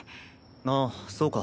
あっそうか。